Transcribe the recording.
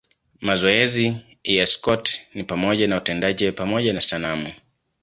Mazoezi ya Scott ni pamoja na utendaji pamoja na sanamu.